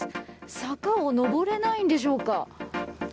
坂を上れないのでしょうか。